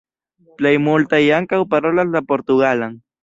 Plej multaj ankaŭ parolas la portugalan.